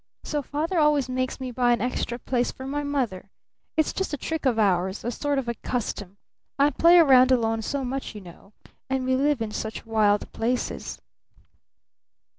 So Father always makes me buy an extra place for my mother. It's just a trick of ours, a sort of a custom. I play around alone so much you know. And we live in such wild places!"